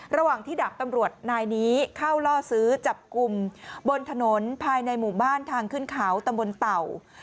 ระหว่างที่ดาบตำรวจนายนี้เข้าล่อซื้อจับกลุ่มบนถนนภายในหมู่บ้านทางขึ้นเขาตำบลเต่า